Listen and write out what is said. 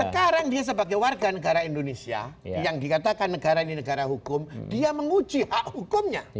sekarang dia sebagai warga negara indonesia yang dikatakan negara ini negara hukum dia menguji hak hukumnya